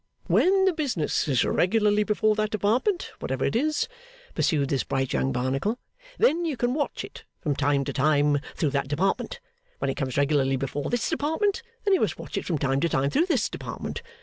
'When the business is regularly before that Department, whatever it is,' pursued this bright young Barnacle, 'then you can watch it from time to time through that Department. When it comes regularly before this Department, then you must watch it from time to time through this Department.